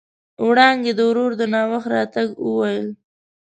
وړانګې د ورور د ناوخت راتګ وويل.